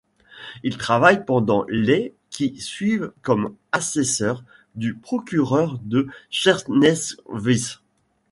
Il travaille pendant les qui suivent comme assesseur du procureur de Skierniewice.